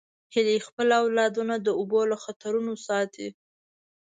هیلۍ خپل اولادونه د اوبو له خطرونو ساتي